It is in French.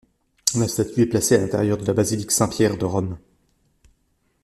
La statue est placée à l'intérieur de la basilique Saint-Pierre de Rome.